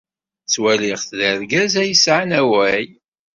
Ttwaliɣ-t d argaz ay yesɛan awal.